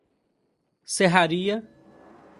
Serraria